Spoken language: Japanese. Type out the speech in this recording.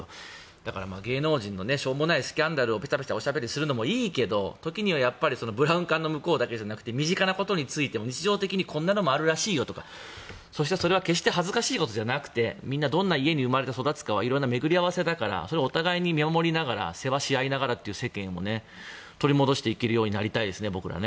だから芸能人のしょうもないスキャンダルをおしゃべりするのもいいけど時にはブラウン管の向こう側だけじゃなくて身近なことについても日常的にこんなことがあるらしいよとかそしてそれは決して恥ずかしいことじゃなくてみんなどんな家に生まれて育つかはめぐり逢いだからそれを見守りながら世話し合いながらという世間を取り戻していけるようになりたいですね。